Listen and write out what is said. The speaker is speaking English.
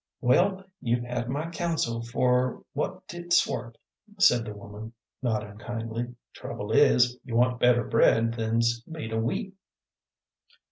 "Well, you've had my counsel for what 't is wuth," said the woman, not unkindly. "Trouble is, you want better bread than's made o' wheat."